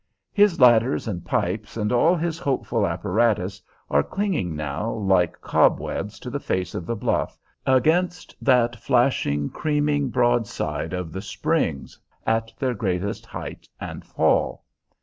His ladders and pipes, and all his hopeful apparatus, are clinging now like cobwebs to the face of the bluff, against that flashing, creaming broadside of the springs at their greatest height and fall.